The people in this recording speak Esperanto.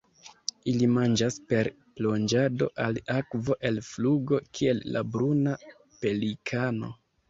Ili manĝas per plonĝado al akvo el flugo, kiel la Bruna pelikano.